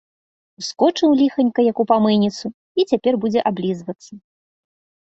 Ускочыў, ліханька, як у памыйніцу, і цяпер будзе аблізвацца.